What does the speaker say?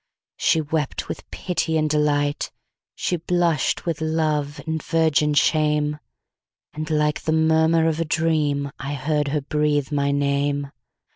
She wept with pity and delight, She blush'd with love and virgin shame; And like the murmur of a dream,I heard her breathe my name.